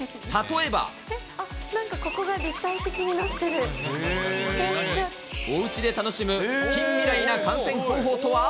えっ、なんかここが立体的におうちで楽しむ近未来な観戦方法とは。